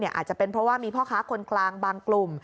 อาจจะเป็นเพราะว่ามีพ่อค้าคนกลางบางกลุ่ม